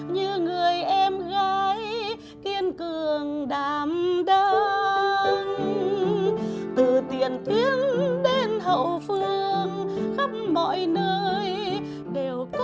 như hoa đỗ quyên trên đỉnh hoàng liên